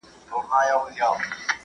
له ويونکو څخه يوه کس وويل يوسف مه وژنئ.